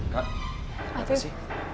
kak apa sih